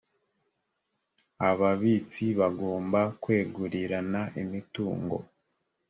ababitsi bagomba kwegurirana imitungo